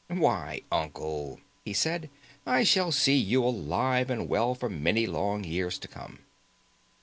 "Why, uncle!" he said, "I shall see you alive and well for many long years to come."